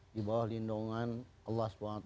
di bawah lindungan allah swt